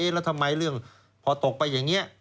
แล้วทำไมเรื่องพอตกไปอย่างนี้